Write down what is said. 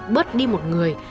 bớt đi một người